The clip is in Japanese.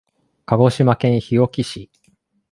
鹿児島県日置市